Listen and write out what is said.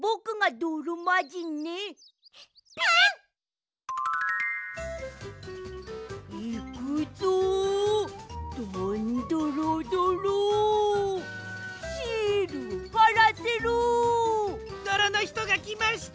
どろのひとがきました！